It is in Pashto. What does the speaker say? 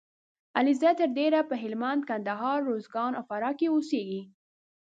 علیزي تر ډېره په هلمند ، کندهار . روزګان او فراه کې اوسېږي